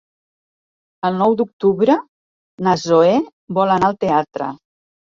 El nou d'octubre na Zoè vol anar al teatre.